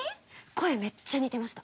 声めっちゃ似てました。